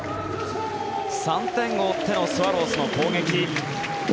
３点を追ってのスワローズの攻撃。